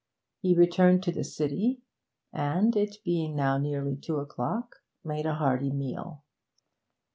He returned to the City, and, it being now nearly two o'clock, made a hearty meal.